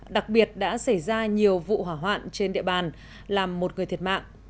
đặc biệt đã xảy ra nhiều vụ hỏa hoạn trên địa bàn làm một người thiệt mạng